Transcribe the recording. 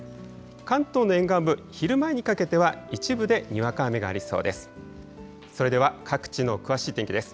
関東の沿岸部、昼前にかけては、一部でにわか雨がありそうです。